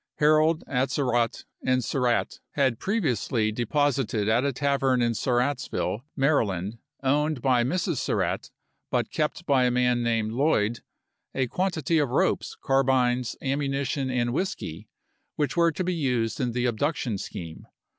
Herold, Atzerodt, and Surratt had previously de posited at a tavern at Surrattsville, Maryland, owned by Mrs. Surratt, but kept by a man named Lloyd, a quantity of ropes, carbines, ammunition, and whisky, which were to be used in the abduction scheme.